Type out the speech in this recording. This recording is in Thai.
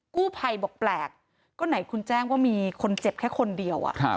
กู้ภัยบอกแปลกก็ไหนคุณแจ้งว่ามีคนเจ็บแค่คนเดียว